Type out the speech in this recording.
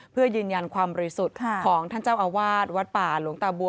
เพื่อยืนยันความบริสุทธิ์ของท่านเจ้าอาวาสวัดป่าหลวงตาบัว